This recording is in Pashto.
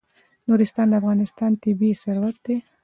نورستان د افغانستان طبعي ثروت دی.